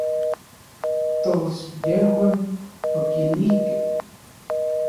Tos yejuan okilijkej.